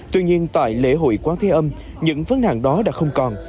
tuy nhiên tại lễ hội quán thi âm những vấn nạn đó đã không còn